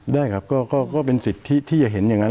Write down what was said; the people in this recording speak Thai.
ได้ครับก็เป็นสิทธิที่จะเห็นอย่างนั้น